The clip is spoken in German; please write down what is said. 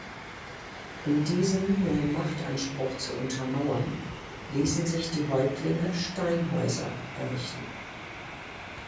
Um diesen neuen Machtanspruch zu untermauern, ließen sich die Häuptlinge „Steinhäuser“ errichten.